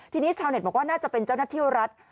ทีนี้ชาวเน็ตบอกว่าน่าจะเป็นเจ้าหน้าที่รัฐ